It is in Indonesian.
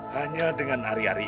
hanya dengan ari ari itu